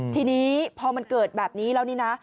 ทีนี้พอมันเกิดแบบนี้แล้วนี่นะ